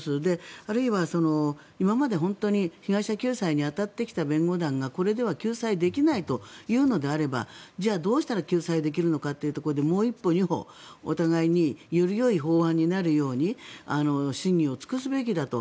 あるいは、今まで本当に被害者救済に当たってきた弁護団がこれでは救済できないというのであればじゃあどうすれば救済できるのかということでもう一歩、二歩、お互いによりよい法案になるように審議を尽くすべきだと。